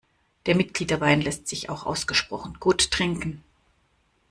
Der Mitgliederwein lässt sich auch ausgesprochen gut trinken.